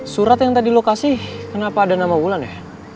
surat yang tadi lo kasih kenapa ada nama ulan ya